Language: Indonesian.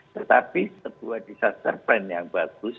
tetapi sebuah disaster plan yang bagus